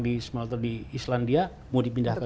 di smelter di islandia mau dipindahkan